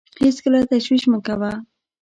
هېڅکله تشویش مه کوه .